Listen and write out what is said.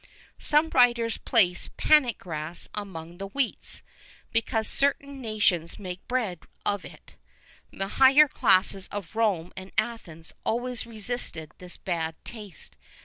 Some writers place Panic Grass among the wheats, because certain nations made bread of it.[V 24] The higher classes of Rome and Athens always resisted this bad taste.